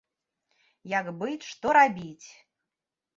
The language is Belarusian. Як быць, што рабіць!